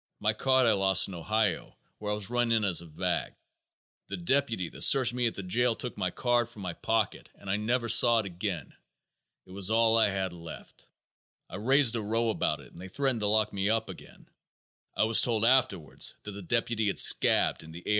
My card I lost in Ohio where I was run in as a vag. The deputy that searched me at the jail took my card from my pocket and I never saw it again. It was all I had left. I raised a row about it and they threatened to lock me up again. I was told afterwards that the deputy had scabbed in the A.